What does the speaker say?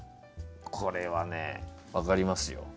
これはね分かりますよ。